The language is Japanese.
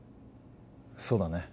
そうだね。